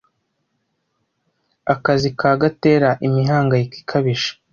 Akazi ka gatera imihangayiko ikabije.